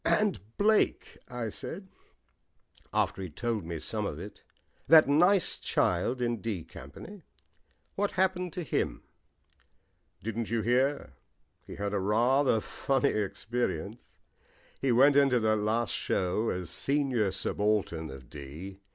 "And Blake," I said, after he'd told me some of it, "that nice child in 'D' Company; what happened to him?" "Didn't you hear? He had rather a funny experience. He went into that last show as senior subaltern of 'D.'